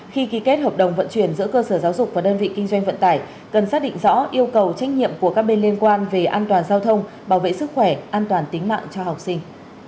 khi ký kết hợp đồng vận chuyển giữa cơ sở giáo dục và đơn vị kinh doanh vận tải cần xác định rõ yêu cầu trách nhiệm của các bên liên quan về an toàn giao thông bảo vệ sức khỏe an toàn tính mạng cho học sinh